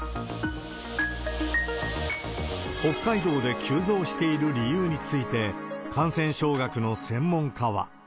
北海道で急増している理由について、感染症学の専門家は。